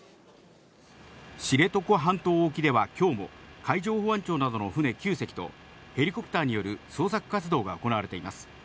知床半島沖ではきょうも、海上保安庁などの船９隻と、ヘリコプターによる捜索活動が行われています。